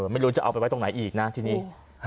ไม่รู้จะเอาไปไว้ตรงไหนอีกนะทีนี้